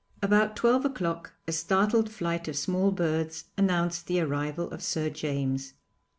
About twelve o'clock a startled flight of small birds announced the arrival of Sir James.